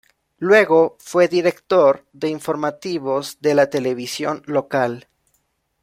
Luego fue director de Informativos de la televisión local.